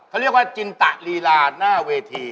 เขาเรียกว่าจินตะลีลาหน้าเวที